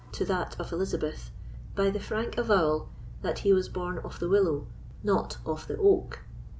to that of Elizabeth, by the frank avowal, that he was born of the willow, not of the oak.